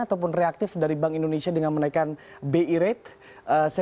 ataupun reaktif dari bank indonesia dengan menaikkan bi rate